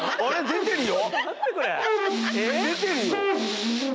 出てるよ。